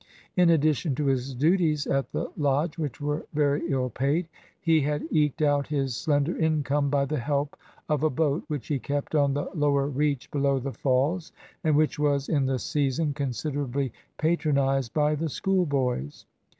In addition to his duties at the Lodge, which were very ill paid, he had eked out his slender income by the help of a boat, which he kept on the lower reach below the falls, and which was, in the season, considerably patronised by the schoolboys.